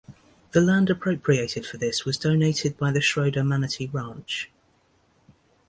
The land appropriated for this was donated by the Schroeder-Manatee Ranch.